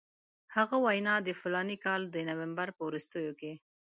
هغه وینا د فلاني کال د نومبر په وروستیو کې.